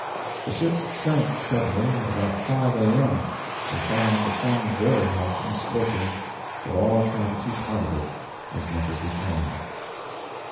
The ship sank suddenly at about 5 A.M. We find the sun very hot and scorching, but all try to keep out of it as much as we can.